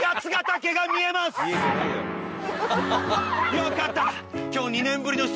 よかった！